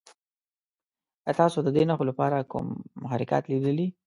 ایا تاسو د دې نښو لپاره کوم محرکات لیدلي؟